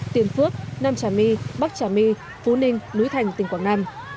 tiền phước nam trà my bắc trà my phú ninh núi thành tỉnh quảng nam